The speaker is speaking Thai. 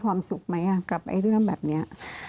ทำไมรัฐต้องเอาเงินภาษีประชาชน